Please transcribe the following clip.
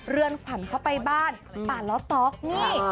เรือนขวัญเข้าไปบ้านป่าล้อต๊อกนี่